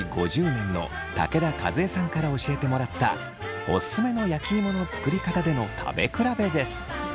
５０年の武田和江さんから教えてもらったオススメの焼き芋の作りかたでの食べ比べです。